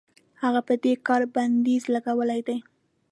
هغه په دې کار بندیز لګولی دی.